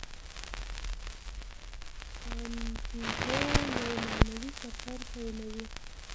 سانتیاګو یو معنوي سفر پیلوي.